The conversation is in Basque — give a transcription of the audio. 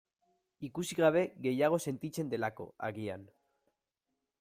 Ikusi gabe gehiago sentitzen delako, agian.